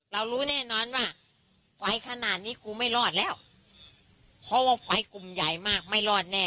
รู้แน่นอนว่าไฟขนาดนี้กูไม่รอดแล้วเพราะว่าไฟกลุ่มใหญ่มากไม่รอดแน่